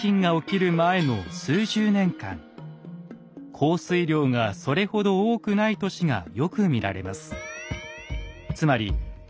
降水量がそれほど多くない年がよく見られます。